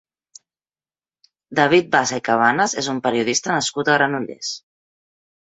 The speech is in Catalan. David Bassa i Cabanas és un periodista nascut a Granollers.